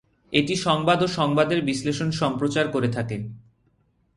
এটি সংবাদ ও সংবাদের বিশ্লেষণ সম্প্রচার করে থাকে।